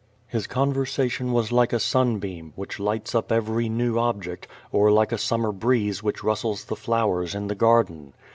His conversation was like a sunbeam, which lights up every new object, or like a summer breeze which rustics the flowers in the garden.